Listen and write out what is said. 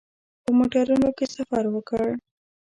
په موټرونو کې سفر وکړ.